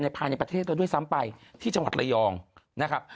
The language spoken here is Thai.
ภายในประเทศแล้วด้วยซ้ำไปที่จังหวัดระยองนะครับ